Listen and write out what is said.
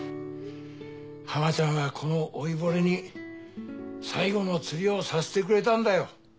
ハマちゃんはこの老いぼれに最後の釣りをさせてくれたんだよ。